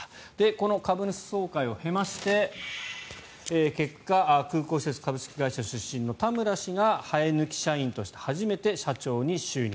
この株主総会を経まして結果、空港施設株式会社出身の田村氏が生え抜き社員として初めて社長に就任。